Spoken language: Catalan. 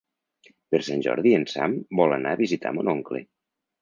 Per Sant Jordi en Sam vol anar a visitar mon oncle.